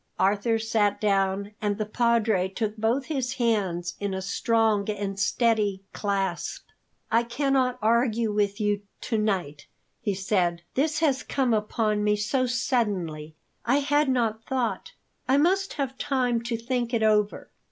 Arthur sat down, and the Padre took both his hands in a strong and steady clasp. "I cannot argue with you to night," he said; "this has come upon me so suddenly I had not thought I must have time to think it over.